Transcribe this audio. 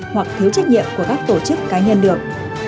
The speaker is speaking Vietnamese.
hoặc thiếu trách nhiệm của các tổ chức cá nhân được